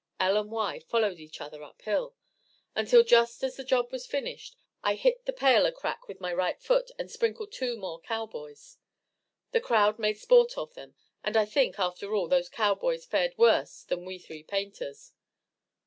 L and Y followed each other up hill, until, just as the job was finished, I hit the pail a crack with my right foot and sprinkled two more cowboys. The crowd made sport of them, and I think, after all, those cowboys fared worse than we three painters.